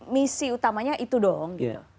misi utamanya itu dong